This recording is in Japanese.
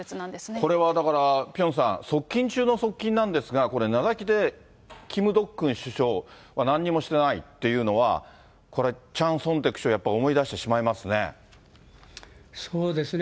これはだから、ピョンさん、側近中の側近なんですが、これ、名指しでキム・ドックン首相、なんにも知らないというのは、これはチャン・ソンテク氏をやっぱそうですね。